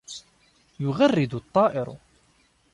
يُغَرَّدُ الطَّائِرُ.